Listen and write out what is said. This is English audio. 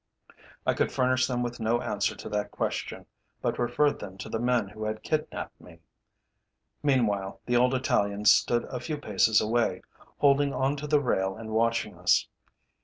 I could furnish them with no answer to that question, but referred them to the men who had kidnapped me. Meanwhile, the old Italian stood a few paces away, holding on to the rail and watching us.